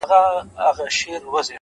هره ستونزه د حل امکان لري